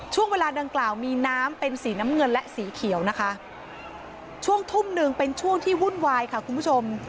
ช่วงเวลาดังกล่าวมีน้ำเป็นสีน้ำเงินและสีเขียวนะคะช่วงทุ่มหนึ่งเป็นช่วงที่วุ่นวายค่ะคุณผู้ชม